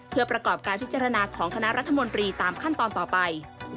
เพื่อประกอบการพิจารณาของคณะรัฐมนตรีตามขั้นตอนต่อไป